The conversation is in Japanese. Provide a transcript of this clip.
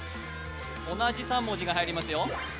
同じ３文字が入りますよ